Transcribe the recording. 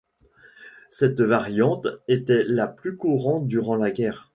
Cette variante était la plus courante durant la guerre.